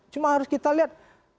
cuma harus kita lihat